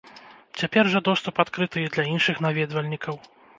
Цяпер жа доступ адкрыты і для іншых наведвальнікаў.